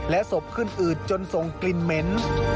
ศพขึ้นอืดจนส่งกลิ่นเหม็น